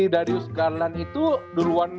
darius garland itu duluan